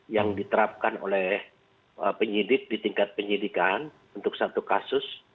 yang diterapkan oleh penyidik di tingkat penyidikan untuk satu kasus